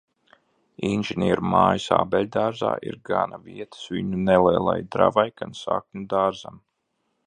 Inženieru mājas ābeļdārzā ir gana vietas viņu nelielajai dravai, gan sakņu dārzam.